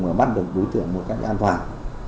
và bắt được đối tượng một cách an toàn